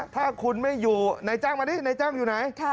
ถ้าคุณไม่อยู่ในจ้างมาดินายจ้างอยู่ไหน